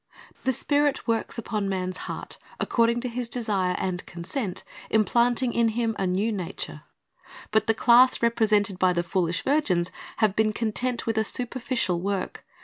The Spirit works upon man's heart, according to his desire and consent implanting in him a new nature; but the class represented by the foolish virgins have been content with a superficial work.